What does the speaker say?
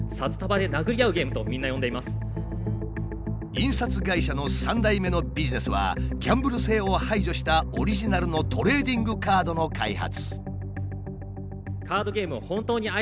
印刷会社の３代目のビジネスはギャンブル性を排除したオリジナルのトレーディングカードの開発。